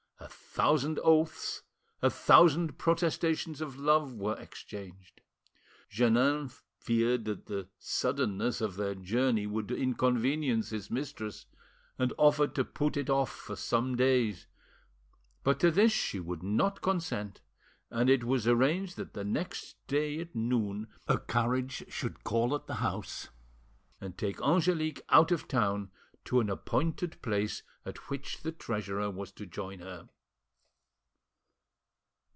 A thousand oaths, a thousand protestations of love were, exchanged. Jeannin feared that the suddenness of their journey would inconvenience his mistress, and offered to put it off for some days; but to this she would not consent, and it was arranged that the next day at noon a carriage should call at the house and take Angelique out of town to an appointed place at which the treasurer was to join her.